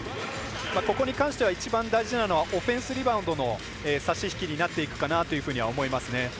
ここに関しては一番大事なのはオフェンスリバウンドの差し引きなのかなというふうに思いますね。